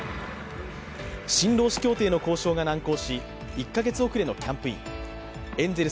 新労使協定の交渉が難航し１カ月遅れのキャンプイン。